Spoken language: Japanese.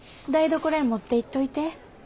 台所へ持っていっといて。